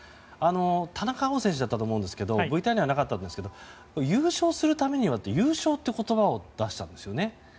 田中碧選手だったと思うんですがＶＴＲにはなかったですけれども優勝するためにはって優勝って言葉を出したんですよね。